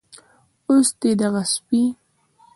اوس دې دغه سپي